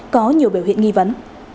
có nhiều biểu hiện nghi vấn